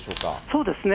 そうですね。